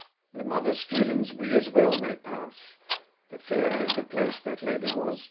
The mother's feelings we as well may pass :^ The fairy of the place that lady was.